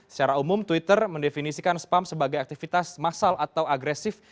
secara umum twitter mendefinisikan spam sebagai aktivitas masal atau agresif